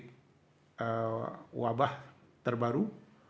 kita harus memiliki wabah terbaru